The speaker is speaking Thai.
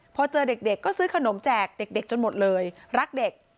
พอเจอเด็กก็ซื้อขนมแจกเด็กจนหมดเลยรักเด็ก